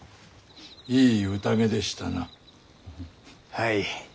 はい。